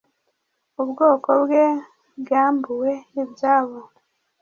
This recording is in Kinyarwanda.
ubwoko bwe bwambuwe ibyabo